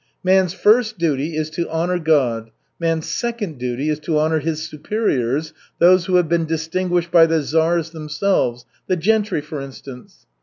"Man's first duty is to honor God, man's second duty is to honor his superiors, those who have been distinguished by the czars themselves the gentry, for instance."